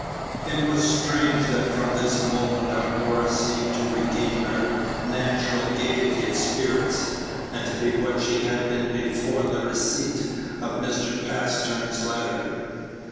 It was strange that from this moment Aurora Page 85 seemed to regain her natural gayety of spirits, and to be what she had been before the receipt of Mr. Pastern's letter.